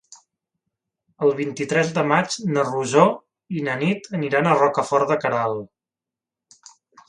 El vint-i-tres de maig na Rosó i na Nit aniran a Rocafort de Queralt.